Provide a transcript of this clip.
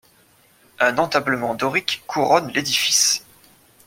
Un entablement dorique couronne l'édifice.